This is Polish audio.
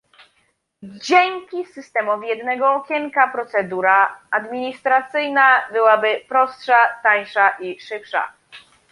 dzięki systemowi jednego okienka procedura administracyjna byłaby prostsza, tańsza i szybsza